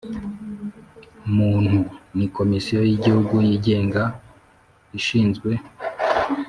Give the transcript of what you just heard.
Muntu ni komisiyo y igihugu yigenga ishinzwe